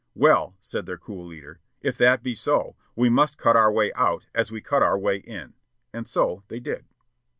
"Well," said their cool leader, "if that be so, we must cut our way out as we cut our way in;" and so they did.